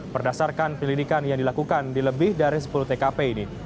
berdasarkan pelidikan yang dilakukan di lebih dari sepuluh tkp ini